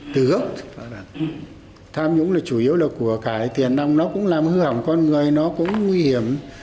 từ tham nhũng là chủ yếu là của cải tiền nó cũng làm hư hỏng con người nó cũng nguy hiểm